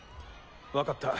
わかった。